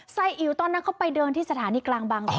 อิ๋วตอนนั้นเขาไปเดินที่สถานีกลางบางคอ